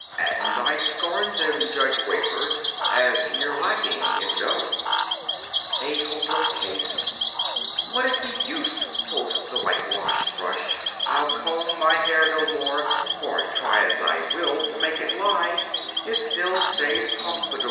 "And I scorn them, Judge Wafer, As you're lacking in dough." [Illustration: The Refusal] A HOPELESS CASE "What is the use?" quoth the Whitewash Brush, "I'll comb my hair no more; For try as I will to make it lie, It still stays pompadour."